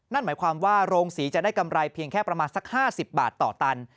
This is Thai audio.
นั่นหมายความว่าโรงศรีจะได้กำไรเพียงแค่ประมาณสัก๕๐บาทต่อตัน